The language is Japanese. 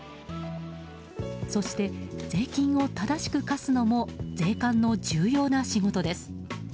そして税金を正しく課すのも税関の重要な仕事です。